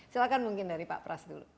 silahkan mungkin dari pak pras dulu